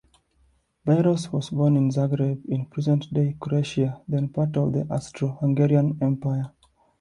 Bayros was born in Zagreb, in present-day Croatia, then part of the Austro-Hungarian Empire.